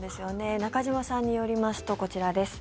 中島さんによりますとこちらです。